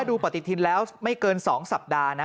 ดูปฏิทินแล้วไม่เกิน๒สัปดาห์นะ